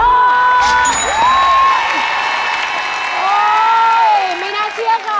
โอ๊ยไม่น่าเชื่อค่ะ